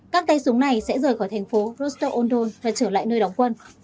các tay súng này sẽ rời khỏi thành phố rostov on don và trở lại nơi đóng quân